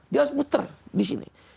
dia harus muter di sini